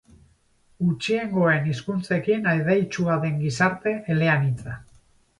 Gutxiengoen hizkuntzekin adeitsua den gizarte eleanitza.